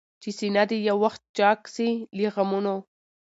چي سينه دي يو وخت چاك سي له غمونو؟